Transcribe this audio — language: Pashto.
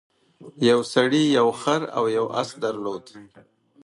یو سړي یو خر او یو اس درلودل.